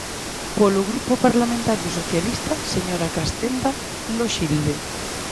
Polo Grupo Parlamentario Socialista, señora Castenda Loxilde.